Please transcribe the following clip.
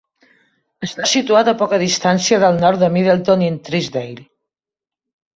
Està situat a poca distància del nord de Middleton-in-Teesdale.